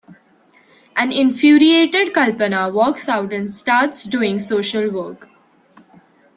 An infuriated Kalpana walks out and starts doing social work.